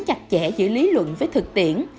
chặt chẽ giữa lý luận với thực tiễn